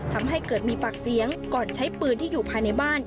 ทำให้เกิดมีปากเสียงก่อนใช้ปืนที่อยู่ภายในบ้าน